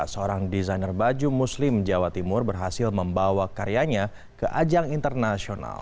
seorang desainer baju muslim jawa timur berhasil membawa karyanya ke ajang internasional